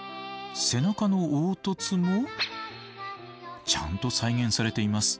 背中の凹凸もちゃんと再現されています。